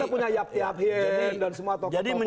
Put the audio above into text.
punya yaktyakhin dan semua tokoh tokoh